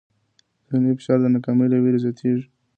ذهني فشار د ناکامۍ له وېرې زیاتېږي.